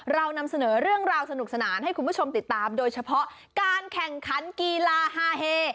เรานำเสนอเรื่องราวสนุกสนานให้คุณผู้ชมติดตามโดยเฉพาะการแข่งขันกีฬาฮาเฮ